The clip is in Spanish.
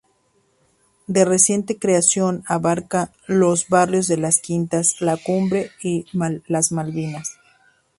De reciente creación, abarca los barrios de Las Quintas, La Cumbre y Las Malvinas.